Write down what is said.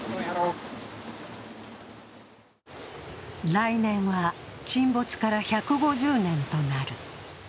来年は、沈没から１５０年となる。